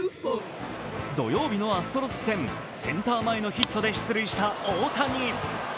土曜日のアストロズ戦、センター前のヒットで出塁した大谷。